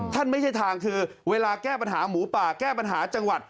ไม่ใช่ทางคือเวลาแก้ปัญหาหมูป่าแก้ปัญหาจังหวัด